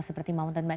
seperti mountain bike